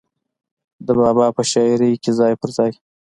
د بابا پۀ شاعرۍ کښې ځای پۀ ځای